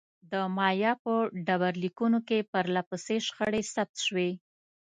د مایا په ډبرلیکونو کې پرله پسې شخړې ثبت شوې.